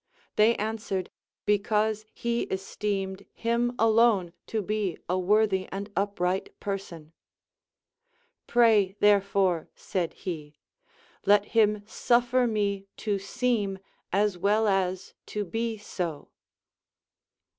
They answered, because he esteemed him alone to be a worthy and upright person. Pray therefore, said he, let him suffer me to seem as well as to be so.